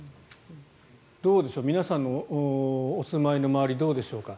どうでしょう皆さんのお住まいの周りどうでしょうか。